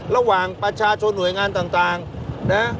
ระหว่างประชาชนหน่วยงานต่างนะ